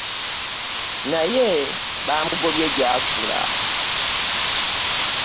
Naye bamugobye gyasula.